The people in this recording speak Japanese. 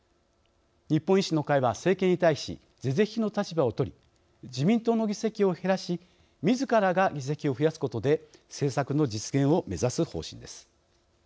日本維新の会は、政権に対し是々非々の立場を取り自民党の議席を減らしみずからが議席を増やすことで政策の実現を目指す方針です。